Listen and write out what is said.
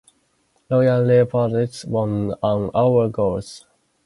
Royal Leopards won on away goals.